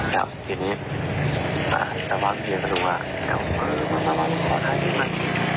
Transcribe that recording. ครับทีนี้มาสร้างเทียบกันดูว่าเดี๋ยวสร้างเทียบกันดูว่าพอถ่ายเทียบกัน